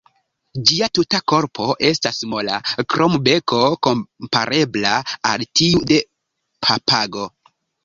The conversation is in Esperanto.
Ĝia tuta korpo estas mola, krom beko komparebla al tiu de papago.